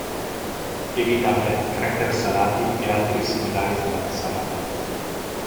Evitare cracker salati e altri similari snack salati.